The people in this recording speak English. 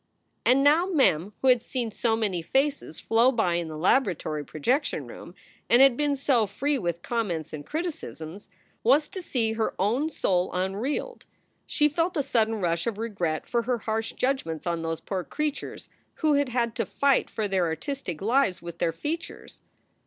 And now Mem, who had seen so many faces flow by in the laboratory projection room and had been so free with comments and criticisms, was to see her own soul unreeled. She felt a sudden rush of regret for her harsh judgments on those poor creatures who had had to fight for their artistic lives with their features.